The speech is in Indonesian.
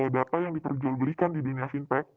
data yang diperjualbelikan di dunia fintech